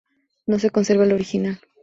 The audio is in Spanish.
No se conserva el original.